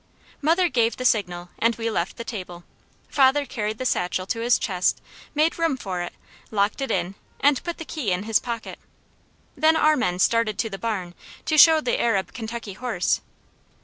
Mother gave the signal, and we left the table. Father carried the satchel to his chest, made room for it, locked it in and put the key in his pocket. Then our men started to the barn to show the Arab Kentucky horse.